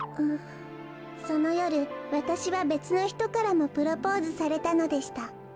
そのよるわたしはべつのひとからもプロポーズされたのでした